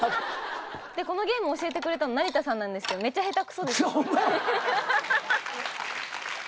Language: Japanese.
このゲーム教えてくれたの成田さんなんですけどめっちゃ下手くそです。